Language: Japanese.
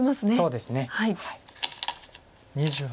そうですね。